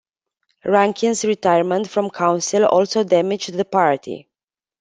Rankin's retirement from council also damaged the party.